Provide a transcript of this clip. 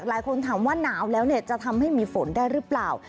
หลายคนถามว่าหนาวแล้วจะทำให้มีฝนได้หรือเปล่า